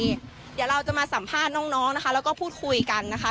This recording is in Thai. เดี๋ยวเราจะมาสัมภาษณ์น้องนะคะแล้วก็พูดคุยกันนะคะ